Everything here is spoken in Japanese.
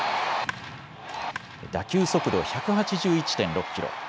打球速度１８１．６キロ。